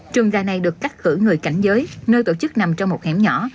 trường gà này được cắt cử người cảnh giới nơi tổ chức nằm trong một hẻm nhỏ